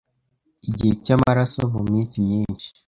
igihe cyamaraso muminsi myinshi